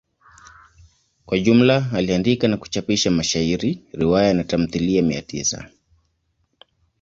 Kwa jumla aliandika na kuchapisha mashairi, riwaya na tamthilia mia tisa.